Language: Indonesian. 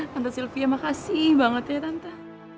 tante sylvia makasih banget ya tante